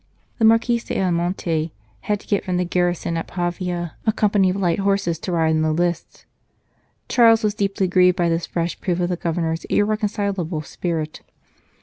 The Marquis d Ayamonte had to get from the garrison at Pavia a company of light horse to ride in the lists. Charles was deeply grieved by this fresh proof of the Governor s irreconcilable spirit.